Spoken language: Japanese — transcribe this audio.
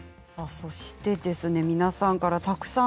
そして皆さんからたくさん。